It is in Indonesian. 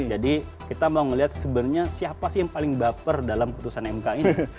jadi kita mau melihat sebenarnya siapa sih yang paling baper dalam keputusan mk ini